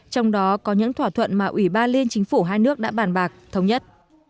trong đó có những thỏa thuận mà ủy ban liên chính phủ hai nước đã bàn bạc thống nhất